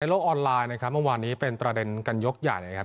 โลกออนไลน์นะครับเมื่อวานนี้เป็นประเด็นกันยกใหญ่นะครับ